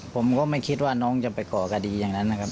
ผมก็ไม่คิดว่าน้องจะไปก่อคดีอย่างนั้นนะครับ